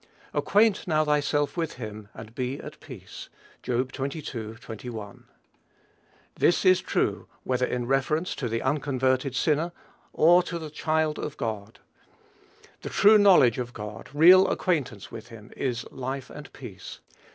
"Acquaint now thyself with him and be at peace." (Job xxii. 21.) This is true, whether in reference to the unconverted sinner, or to the child of God. The true knowledge of God, real acquaintance with him, is life and peace.